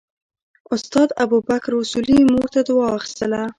استاد ابوبکر اصولي مور ته دوا اخیستله.